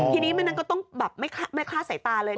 ทีนี้ไม่งั้นก็ต้องแบบไม่คลาดสายตาเลย